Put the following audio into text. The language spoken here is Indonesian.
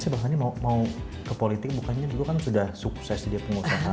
saya bahkan mau ke politik bukannya dulu kan sudah sukses dia pengusaha